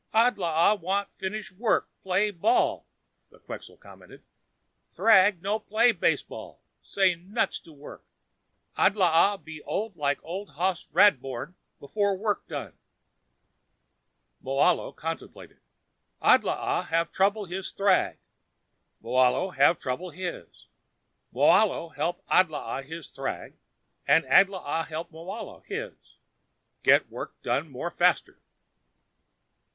"Adlaa want finish work, play baseball," the Quxa commented. "Thrag no play baseball, say nuts to work. Adlaa be old like Old Hoss Radbourne before work done." Moahlo contemplated. "Adlaa have trouble his thrag. Moahlo have trouble his. Moahlo help Adlaa his thrag and Adlaa help Moahlo his. Get work done more faster."